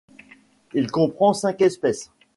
Il comprend cinq espèces.